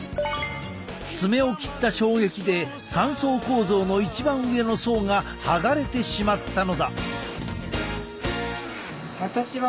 爪を切った衝撃で三層構造の一番上の層がはがれてしまったのだ。